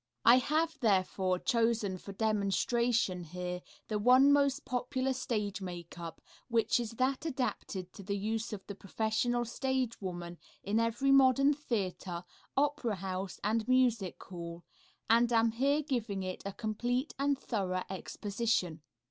I have, therefore, chosen for demonstration here the one most popular stage makeup, which is that adapted to the use of the professional stage woman in every modern theatre, opera house and music hall, and am here giving it a complete and thorough exposition.